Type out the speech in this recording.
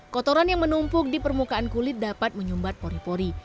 kotoran yang menumpuk di permukaan kulit dapat menyumbat pori pori